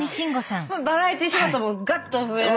バラエティー仕事もガッと増えられて。